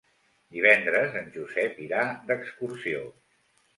Divendres en Josep irà d'excursió.